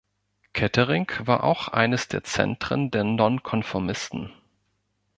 Kettering war auch eines der Zentren der Nonkonformisten.